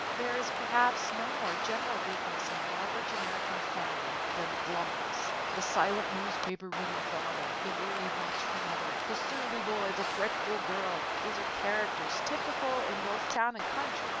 There is perhaps no more general weakness in the average American family than glumness! The silent newspaper reading father, the worried watchful mother, the surly boy, the fretful girl, these are characters typical in both town and country.